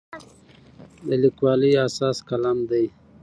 د لیکوالي اساس قلم دی.